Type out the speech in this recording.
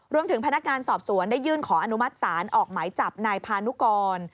พนักงานสอบสวนได้ยื่นขออนุมัติศาลออกหมายจับนายพานุกร